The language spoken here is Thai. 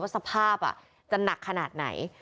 ว่าสภาพอ่ะจะหนักขนาดไหน